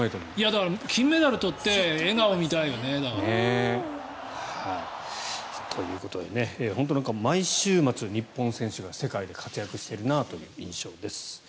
だから、金メダルを取って笑顔が見たいよね。ということで本当に毎週末、日本選手が世界で活躍してるなという印象です。